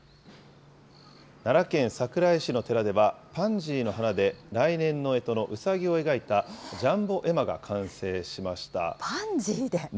奈良県桜井市の寺では、パンジーの花で来年のえとのうさぎを描いたジャンボ絵馬が完成しパンジーで？